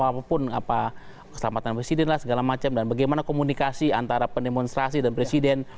apapun keselamatan presiden lah segala macam dan bagaimana komunikasi antara pendemonstrasi dan presiden